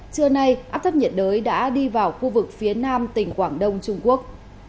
trưa nay áp thấp nhiệt đới đã đi vào khu vực phía nam tỉnh quảng đông trung quốc